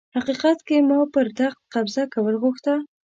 حقيقت کي ما پر تخت قبضه کول غوښته